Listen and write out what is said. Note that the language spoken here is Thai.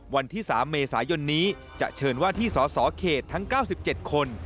วันที่๓เมษายนนี้จะเชิญว่าที่สสเขตทั้ง๙๗คน